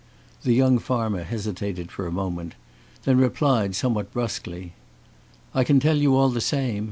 The young farmer hesitated for a moment, then replied, somewhat brusquely: "I can tell you, all the same.